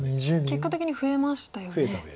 結果的に増えましたよね。